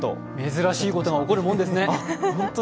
珍しいことが起こるもんですね。